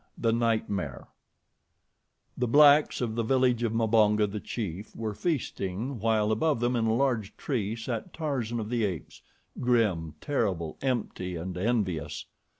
9 The Nightmare THE BLACKS OF the village of Mbonga, the chief, were feasting, while above them in a large tree sat Tarzan of the Apes grim, terrible, empty, and envious.